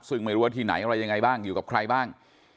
ซึ่งไม่รู้ว่าที่ไหนอะไรยังไงบ้างอยู่กับใครบ้าง